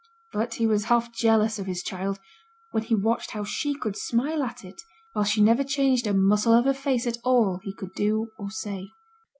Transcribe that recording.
But he was half jealous of his child, when he watched how she could smile at it, while she never changed a muscle of her face at all he could do or say.